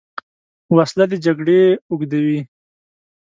وسله د جګړې اوږدوې